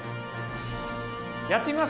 やってみます？